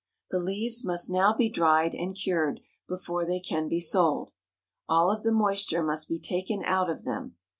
The leaves must now be dried and cured before they can be sold. All of the moisture must be taken out of them.